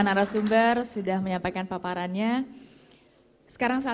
nanti bisa kita lanjutkan